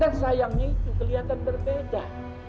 dan sayangnya itu kelihatan berbeda